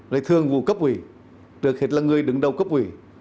để thương vụ cấp ủy trước hết là người đứng đầu cấp ủy